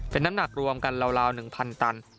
เป็นน้ำหนักรวมกันราว๑๐๐ตัน